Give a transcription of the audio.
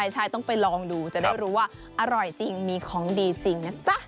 ใช่ต้องไปลองดูจะได้รู้ว่าอร่อยจริงมีของดีจริงนะจ๊ะ